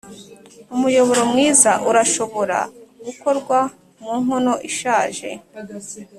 umuyoboro mwiza urashobora gukorwa mu nkono ishaje